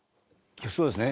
そうですね。